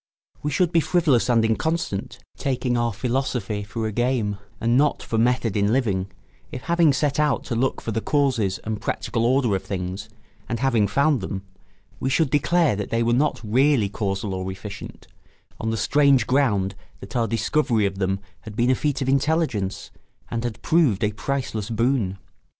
We should be frivolous and inconstant, taking our philosophy for a game and not for method in living, if having set out to look for the causes and practical order of things, and having found them, we should declare that they were not really casual or efficient, on the strange ground that our discovery of them had been a feat of intelligence and had proved a priceless boon.